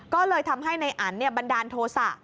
ก็เลยทำให้ในอันบันดาลโทษะ